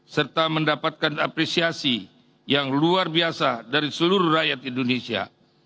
serta mendapatkan apresiasi yang luar biasa dari seluruh rakyat indonesia